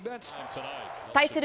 対する